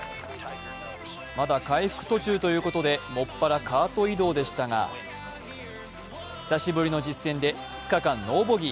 まだ回復途中ということでもっぱらカート移動でしたが久しぶりの実戦で２日間ノーボギー